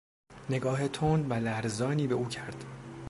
نگاه تند و لرزانی به او کرد.